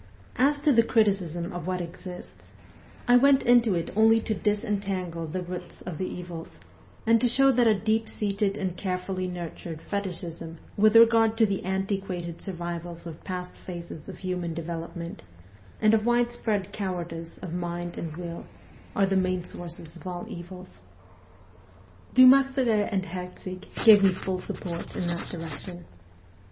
As to the criticism of what exists, I went into it only to disentangle the WESTERN EUROPE 229 roots of the evils, and to show that a deep seated and carefully nurtured fetishism with regard to the anti quated survivals of past phases of human development, and a widespread cowardice of mind and will, are the main sources of all evils. Dumartheray and Herzig gave me full support in that direction.